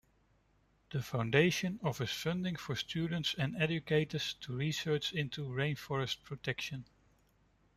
The foundation offers funding for students and educators to research into rainforest protection.